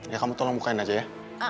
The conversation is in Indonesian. ya kamu tolong bukain aja ya